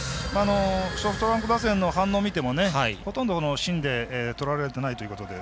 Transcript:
ソフトバンク打線の反応を見てもほとんど芯でとらえられてないということで。